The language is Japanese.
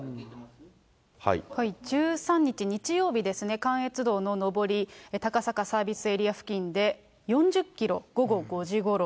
１３日日曜日ですね、関越道の上り、高坂サービスエリア付近で４０キロ、午後５時ごろ。